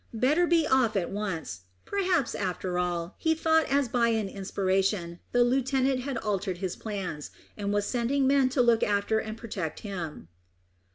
Better be off at once. Perhaps, after all, he thought as by an inspiration, the lieutenant had altered his plans, and was sending men to look after and protect him.